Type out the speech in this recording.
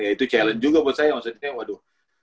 ya itu challenge juga buat saya maksudnya waduh